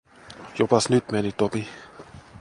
Jopas nyt meni Topi.